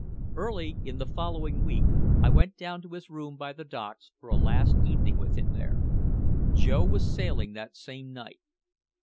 Early in the following week I went down to his room by the docks for a last evening with him there. Joe was sailing that same night.